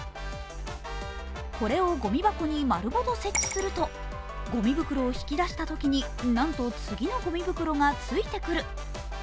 これをごみ箱に丸ごと設置するとごみ袋を引き出したときに、なんと次のごみ袋がついてくる。